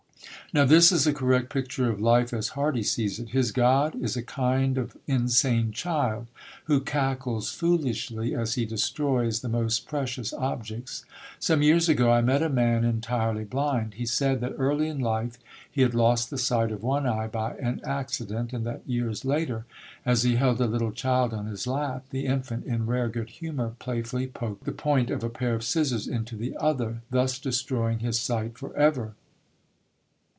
Now this is a correct picture of life as Mr. Hardy sees it. His God is a kind of insane child, who cackles foolishly as he destroys the most precious objects. Some years ago I met a man entirely blind. He said that early in life he had lost the sight of one eye by an accident; and that years later, as he held a little child on his lap, the infant, in rare good humour, playfully poked the point of a pair of scissors into the other, thus destroying his sight for ever.